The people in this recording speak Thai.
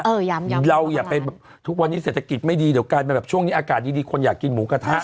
เออยำเราอย่าไปทุกวันนี้เศรษฐกิจไม่ดีช่วงนี้อากาศดีคนอยากกินหมูกระทะ